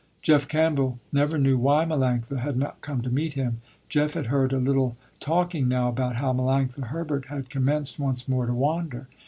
Jeff Campbell never knew why Melanctha had not come to meet him. Jeff had heard a little talking now, about how Melanctha Herbert had commenced once more to wander.